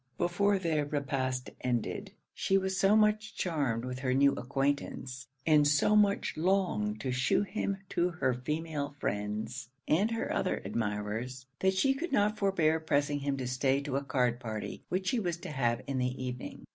Before their repast ended, she was so much charmed with her new acquaintance, and so much longed to shew him to her female friends, and her other admirers, that she could not forbear pressing him to stay to a card party, which she was to have in the evening.